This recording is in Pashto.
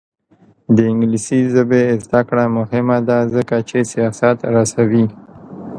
د انګلیسي ژبې زده کړه مهمه ده ځکه چې سیاست رسوي.